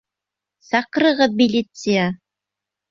Саҡырығыҙ милиция!